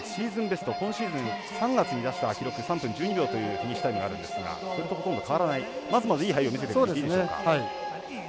ベスト今シーズンの３月に出した記録３分１２秒というフィニッシュタイムがあるんですがそれとほとんど変わらないまずまずいい入りを見せているといっていいでしょうか。